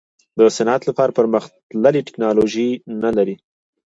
د صنعت لپاره پرمختللې ټیکنالوجي نه لري.